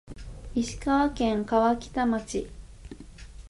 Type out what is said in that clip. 石川県川北町